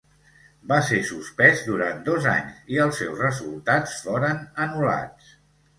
Va ser suspès durant dos anys i els seus resultats foren anul·lats.